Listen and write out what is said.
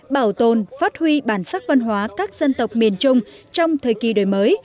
bảo tồn phát huy bản sắc văn hóa các dân tộc miền trung trong thời kỳ đổi mới